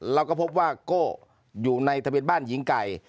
เราก็พบว่าโก้อยู่ในทะเบียนบ้านหญิงไก่